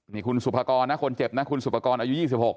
นี่คุณสุภากรนะคนเจ็บนะคุณสุปกรณ์อายุ๒๖